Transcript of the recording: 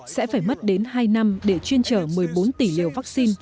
sẽ phải mất đến hai năm để chuyên chở một mươi bốn tỷ liều vắc xin